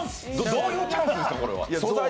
どういうチャンスですか？